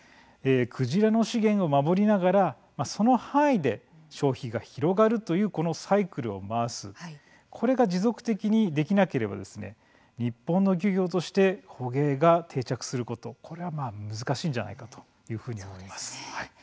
クジラの資源を守りながらその範囲で消費が広がるというこのサイクルを回すこれが持続的にできなければ日本の漁業として捕鯨が定着することこれは難しいんじゃないかというふうに思います。